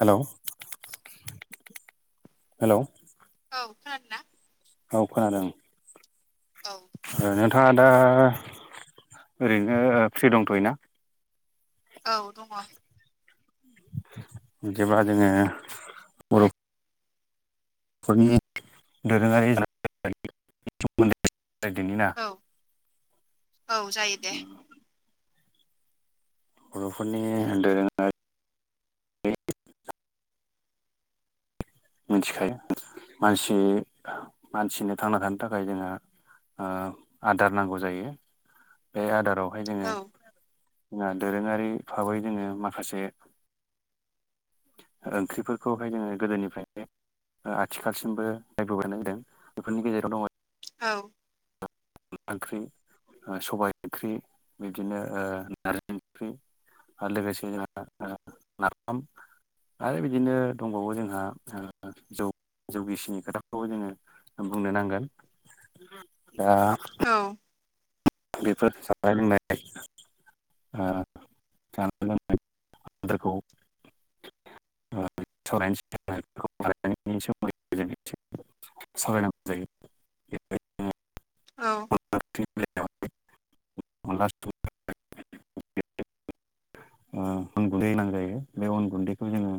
Hello hello औ खोनादों ना औ खोनादों औ नोंथाङा दा ओरैनो फ्रि दंथ'योना औ दङ बिदिब्ला जोङो [unintelligible] औ औ जायो दे बर'फोरनि दोरोङारि मिथिखायो मानसि मानसिनो थांना थानो थाखाय जोङो आदार नांगौ जायो बे आदारावहाय औ जोङो जोंहा दोरोङारि भाबै जोङो माखासे ओंख्रिफोरखौहाय जोङो गोदोनिफ्राय आथिखालसिमबो [unintelligible] जादों बेफोरनि गेजेराव दङ औ अनला ओंख्रि सबाय ओंख्रि बिदिनो नारजि ओंख्रि आरो [unintelligible] आरो बिदिनो दंबावो जोंहा जौ जौ गिसिनि खोथाखौबो जोङो बुंनो नांगोन दा औ औ बेफोर जानाय लोंनाय जानो लोंनायखौ [unintelligible] [unintelligible] अनला औ ओंख्रिनि बेलायाव [unintelligible] अन गुन्दै [unintelligible] जायो बे अन गुन्दैखौ जोङो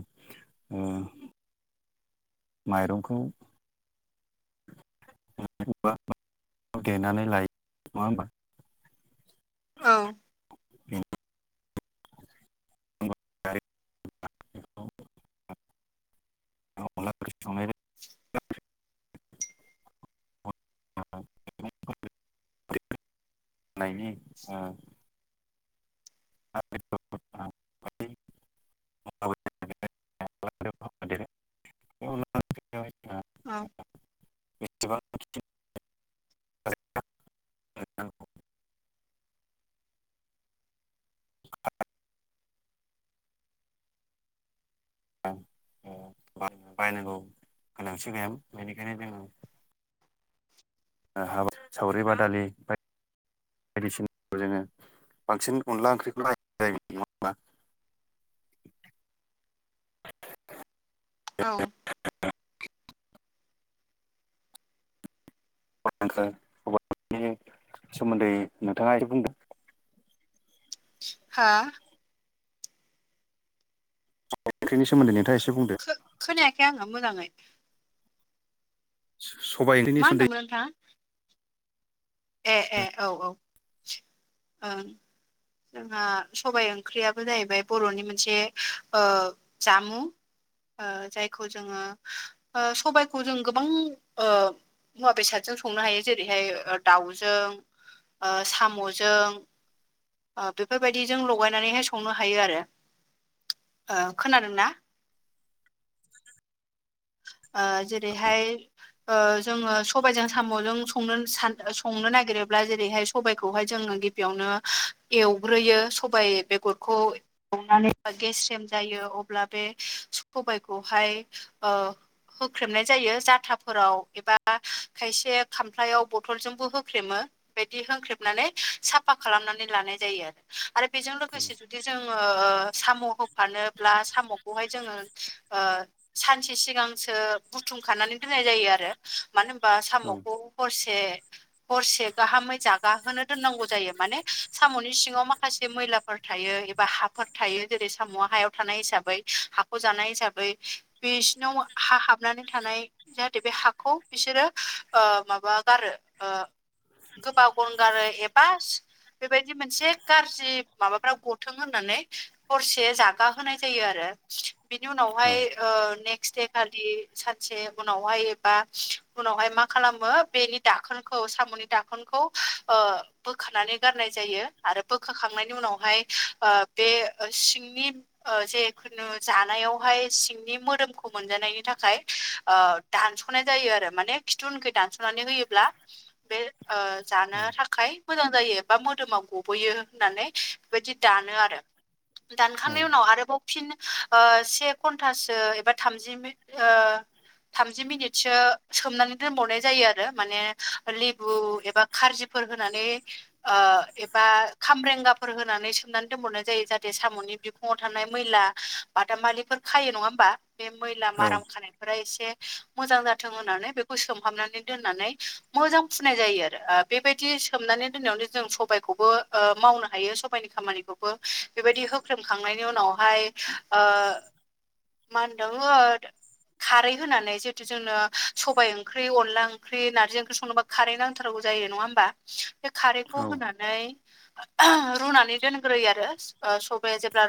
माइरंखौ देनानै लायो नङा होमबा औ [unintelligible] [unintelligible] [inaudible] [unintelligible] आ औ [unintelligible] बायनांगौ गोनांथि गैयामोन बेनिखायनो जोङो हाबा सावरि बादालि बाय बायदिसिना जोङो बांसिन अनला ओंख्रिखौ राय औ [unintelligible] नि सोमोन्दै नोंथाङा ए बुंदों। हा? [unintelligible] ओंख्रिनि सोमोन्दै नोंथाङा एसे बुंदो। खो-खोनायाखै आङो मोजाङै। स-सबायाइ ओंख्रिनि सोमोनदै गौ नोंथां। ए ए औ औ ओं। जोंहा सबायाइ ओंख्रियाबो जाहैबाय बर'नि मोनसे ओ-जामुं। ओ-जायखौ जोङो ओ-सबायखौ जों गोबां ओ- मुवा बेसादजों संनो हायो जेरैहाय ओ- ओ-दाउजों ओ-साम'जों। ओ-बेफोरबायदिजों लगायनानैहाय संनो हायो आरो ओ-खोनादोंना? ओ-जेरैहाय ओ-जोङो सबबायजों साम'जों संनो सान-संनो नागिरोब्ला जेरैहाय सबायाइखौहाय जोङो गिब बियावनो एवग्रोयो सबाइ बेगरखौ। एवनानै बा गेस सेम जायो अब्ला बे सबायखौहाय ओ- होख्रेमनाय जायो जाथाफोराव एबा खायसे खामफ्लायाव बथलजोंबो होख्रेमो। बायदि होख्रेबनानै साफा खालामनानै लानाय जायो आरो। आरो बेजों लोगोसे जुदि जोङो ओ-साम' होफानोब्ला साम'खौहाय जोङो ओ-सानसे सिगांसो बुथुम खानानै दोननाय जायो आरो। मानो होनबा औ साम'खौ हरसे। हरसे गाहामै जागाहोनो दोननांगौ जायो माने साम'नि सिङाव माखासे मैला फोर थायो एबा हाफोर थायो जेरै साम'आ हायाव थानाय हिसाबै हाखौ जानाय हिसाबै। बिसिनाव हा हाबनानै थानाय जाहाथे बे हाखौ बिसोरो ओ-माबा गारो ओ- गोबाव गनगारो एबा स बेबायदि मोनसे गाज्रि माबाफ्रा गथों होननानै। हरसे जागा होनोनाय जायो आरो बिनि उनावहाय [inaudible] नेक्सट दे खालि सानसे उनावहाय एबा उनावहाय मा खालामो बेनि दाखोनखौ साम'नि दाखोनखौ ओ- बोखानानै गारनाय जायो आरो बोखाखांनायनि उनावहाय ओ-बे सिंनि ओ-जेखुनु जानायावहाय सिं बे मोदोमखौ मोनजानायनि थाखाय ओ-दानस'नाय जायो आरो माने खिथुउनखै दानस'नानै होयो ब्ला बे ओ-जानो थाखाय मोजां जायो बा मोदोमाव गबोयो होननानै बेबायदि दानो आरो औ दानखांनायनि उनाव आरोबाव फिन ओ-से घन्टासो ओ-एबा थामजि [unintelligible] ओ- थामजि मिनिटसो सोमनानै दोनबावनाय जायो आरो माने लेबु एबा खारजिफोर होनानै। ओ-एबा खामरेंगाफोर होनानै सोमनानै दोनबावनाय जायो जाहाथे साम'नि बि खंङाव थानाय मैला बादामालिफोर खायो नङा होमबा? बे मैला औ माराम खानाय फोरा एसे मोजां जाथों होननानै बेखौ सोमहाबनानै दोननानै मोजां फुनाय जायो आरो ओ- बेबायदि सोमनानै दोननायावनो जों सबायाइखौबो ओ-मावनो हायो सबाइनि खामानिखौ। बो बेबायदि होख्रेमखांनायनि उनावहाय ओ- [unintelligible] खारै होनानै जिहेतु जोंनो सबबाय ओंख्रि अनला ओंख्रि नारजि ओंख्रि संनोबा खारै नांथारगौ जायो नङा होमबा बे औ खारैखौ होनानै। [unintelligible] रुनानै दोनग्रोयो आरो। ओ सबाया जेब्ला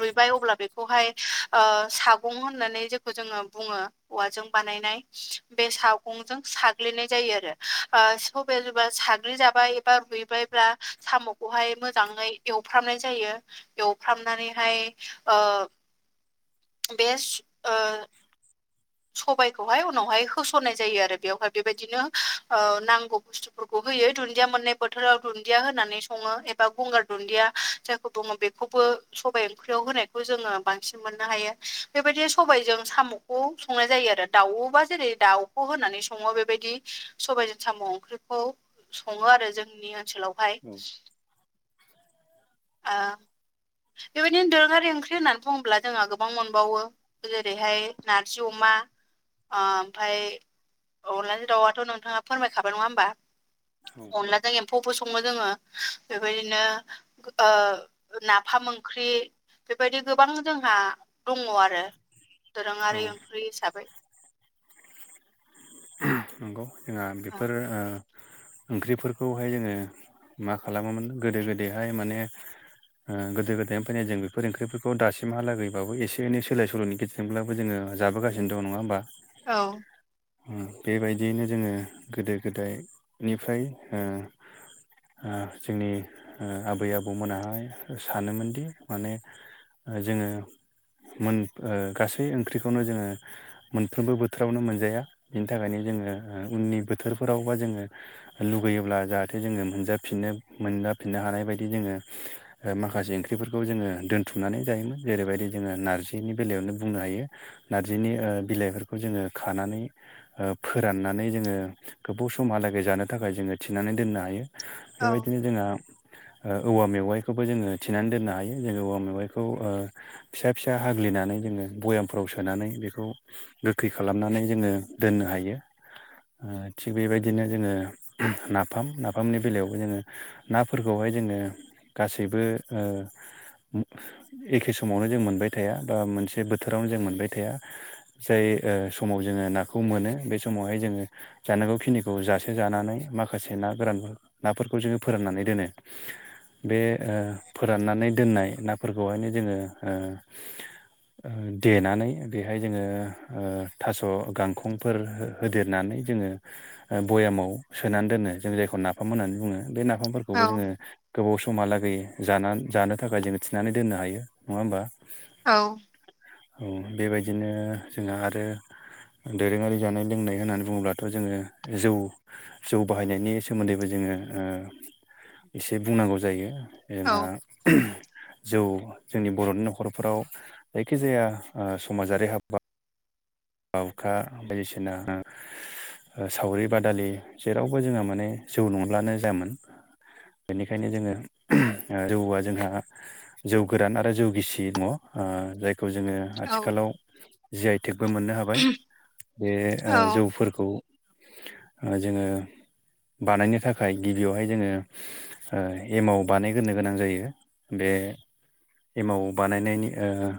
रुइबाय अब्ला बेखौहाय ओ सागं होननानै जेखौ जोङो बुङो औवाजों बानायनाय बे सागंजों साग्लिनाय जायो आरोओ सब जबा साग्लिजाबाय एबा रुइबाय ब्ला साम'खौहाय मोजाङै एवफ्रामनाय जायो एवफ्रामनानैहाय ओ बे ओ सबायाइखौहाय उनावहाय होस'नाय जायो आरो बेवहाय बेबायदिनो ओ नांगौ बुस्थु फोरखौ होयो दुन्दिया मोननाय बोथोराव दुन्दिया होनानै सङो एबा गंगार दुन्दिया जायखौ बुङ बे बेखौखौबो सबबाय ओंख्रियाव होनायखौ जोङो बांसिन मोननो हायो बेबायदि सबबायजों साम'खौ संनाय जायो आरो दाउबा जेरै दाउखौ होनानै सङो बेबायदि सबायाइजों साम' ओंख्रिखौ सङो आरो जोंनि ओनसोलावहाय ओ बेबायदिनो दोरोङारि ओंख्रि होननानै बुङोब्ला जोंहा गोबां मोनबावो जेरैहाय नार नारजि अमा ओमफाय अनलाजों दाउथ' नोंथाङा फोरमायखाबाय नङा होमबा औ अनलाजों जों एम्फौबो सङो जोङो बेबायदिनो ओ नाफाम ओंख्रि बेबायदि गोबां जोंहा दङ आरो औ दोरोङारि ओंख्रि हिसाबै [unintelligible] नंगौ जोंहा औ बेफोर ओ ओंख्रिफोरखौहाय जोङो मा खालामोमोन गोदो गोदैहाय माने ओ गोदो गोदायनि फैनाय जों बेफोरओंख्रिफोरखौ दासिमहालागैबाबो एसे एनै सोलाय सोल'नि गेजेरजों जोंब्लाबो जोङो जाबोगासिनो दं नङा होमबा औ बेबायदियैनो जोङो गोदो गोदायनिफ्राय ओ ओ जोंनि ओ आबै आबौमोनाहाय सानोमोनदि माने जोङो मोन ओ गासै ओंख्रिखौनो जोङो मोनफ्रोमबो बोथोरावनो मोनजाया बेनि थाखायनो जोङो ओ उननि बोथोरफोराव बा जोङो लुगैयोब्ला जाहाथे जोङो मोनजाफिननो मोनजाफिननो हानाय बायदि जोङो माखासे ओंख्रिफोरखौ जोङो दोनथुमनानै जायोमोन जेरैबायदि जोङो नारजिनि बेलायावनो बुंनो हायो नारजिनि ओ बिलाइफोरखौ जोङो खानानै ओ फोराननानै जोङो गोबाव समहालागै जानो थाखाय जोङो थिनानै दोननो हायो औ बेबायदिनो जोंहा औवा मेवाइखौबो जोङो थिनानै दोननो हायो जोङो औवा मेवाइखौ ओ फिसा फिसा हाग्लिनानै जोङो भयामफ्राव सोनानै बेखौ गोखै खालामनानै जोङो दोननो हायो ओ थिग बेबायदिनो जोङो नाफाम नाफामनि बेलायावबो जोङो नाफोरखौहाय जोङो गासैबो ओ एखे समावनो जों मोनबाय थाया बा मोनसे बोथोरावनो जों मोनबाय थाया जाय ओ समाव जोङो नाखौ मोनो बे समावहाय जोङो जानांगौखिनिखौ जासे जानानै माखासे ना गोरान नाफोरखौ जोङो फोराननानै दोनो बे ओ फोराननानै दोननाय ना फोरखौहायनो ओ जोङो देनानै बेहाय जोङो ओ थास' गां खंफोर हो होदेरनानै जोङो भयामाव सोनानै दोनो जों जायखौ नाफाम होननानै बुङो बे औ नाफामफोरखौबो जोङो गोबाव समहालागै ज जानो थाखाय जोङो थिनानै दोननो हायो नङा होमबा औ औ बेबायदिनो जोंहा आरो दोरोंङारि जानाय लोंनाय होननानै बुंङोब्लाथ' जोंङो जौ जौ बाहायनायनि सोमोन्दैबो जोंङो ओ एसे बुंनांगौ जायो औ [unintelligible] जौ जोंनि बर'नि न'खरफोराव जायखिजाया समाजारि हाबा बावखा बायदिसिना ओ सावरि बादालि जेरावबो जोंहा माने जौ नंब्लानो जामोन बेनिखायनो जोङो जौआ जोंहा जौ गोरान आरो जौ गिसि दङ ओ जायखौ जोङो आथिखालाव जि आइटेकबो मोननो हाबाय बे औ जौफोरखौ ओ जोङो बानायनो थाखाय गिबियावहाय जोङो ओ एमाव बानायग्रो गोनां जायो बे एमाव बानायनायनि ओ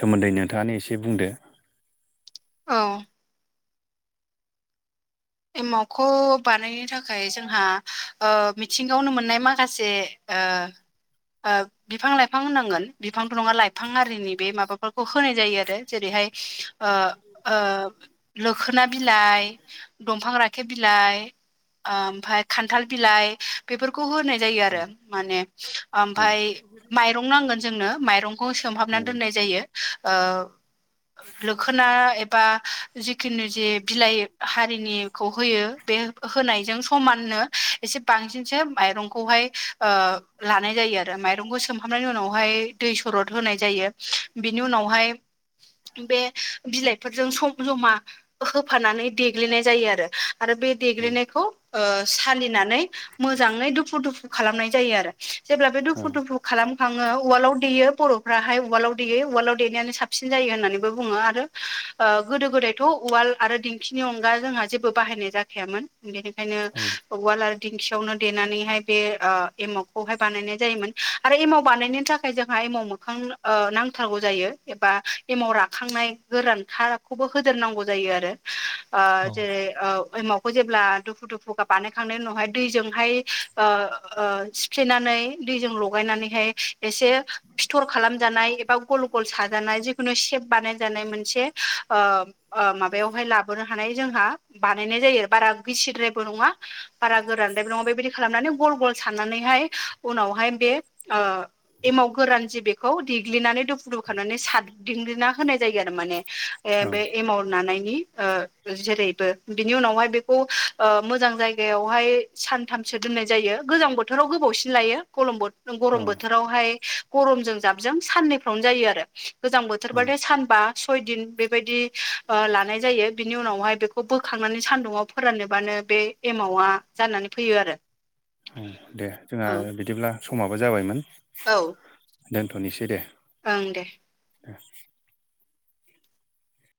सोमोन्दै नोंथाङानो एसे बुंदो औ एमाउखौ बानायनो थाखाय जोंहा ओ मिथिंगायावनो मोननाय माखासे ओ ओब बिफां लाइफां होनांगोन बिफांथ नङा लाइफां आरिनि बे माबाफोरखौ होनाय जायो आरो जेरैहाय ओ ओ लोखोना बिलाइ दंफां राखेब बिलाइ ओमफ्राय खान्थाल बिलाइ बेफोरखौ होनाय जायो आरो माने औ ओमफ्राय माइरं नांगोन जोंनो माइरंखौ सोमहाबनानै दोननाय जायो। ओ लोखोना एबा जिखुनो जे बिलाइ ह हो बे होनायजों समाननो एसे बांसिनसो माइरंखौहाय ओ लानाय जायो आरो माइरंखौ सोमहाबनायनि उनावहाय दै सरद होनाय जायो बिनि उनावहाय बे बिलाइफोरजों सम जमा होफानानै दे देग्लिनाय जायो आरो आरो बे औ देग्लिनायखौ ओ सालिनानै मोजांङै दुफु दुफु खालामनाय जायो आरो जेब्ला बे औ दुफु दुफुखौ खालाम खांङो उवालाव देयो बर'फ्राहाय उवालाव देयो उवालाव देनायानो साबसिन जायो होननानैबो बुंङो आरो ओ गोदो गोदायथ' उवाल आरो दिंखि बिनि अनगा जोंहा जेबो बाहायनाय जाखायामोन बेनिखायनो औ उवाल आरो दिंखियावनो देनानैहाय बे ओ एमगखौहाय बानायनाय जायोमोन आरो एमाव बानायनो थाखाय जोंहा एमाव मोखां ओ नांथारगौ जायो एबा एमाव राखांनाय गोरानथाखौबो होदेरनांगौ जायो आरो जेरै ओ एमावखौ जेब्ला दुफु दुफु बानायखांनायनि उनावहाय दैजोंहाय ओ ओ थु्फ्लेनानै दैजों लगायनानैहाय एसे फिथर खालामजानाय एबा गल गल साजानाय जि सेब बानाय जानाय मोनसे ओ माबायावहाय लाबो मोननो हानाय जोंहा बानायनाय जायो बारा गिसिद्रायबो नंङा बारा गोरानद्राय नंङा बेबायदि खालामनानै गल गल साननानैहाय उनावहाय बे ओ एमाव गोरान जि बेखौ देग्लिनानै दुफुदुं होखनानै सात दिंना होनाय जायो आरो माने औ बे एमाव नानायनि ओ जेरैबो बिनि उनावहाय बेखौ ओ मोजां जायगायावहाय सानथामसो दोननाय जायो गोजां बोथोराव गोबावसिन लायो गलमो औ गरम बोथोरावहाय गरमजों जाबजों साननैफ्रावनो जायो आरो गोजां औ बोथोरबथाय सानबा सय दिन बेबायाददि लानाय जायो बिनि उनावहाय बेखौ बोखांनानै सान्दुाव फोराननोबानो बे एमावा जानानै फैयो आरो। उम दे जोंहा औ बिदिब्ला समाबो जाबायमोन औ दोनथ'नोसै दे ओं दे आ [unintelligible]